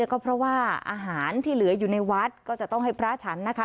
ก็เพราะว่าอาหารที่เหลืออยู่ในวัดก็จะต้องให้พระฉันนะคะ